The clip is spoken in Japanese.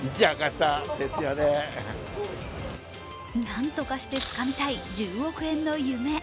なんとかしてつかみたい１０億円の夢。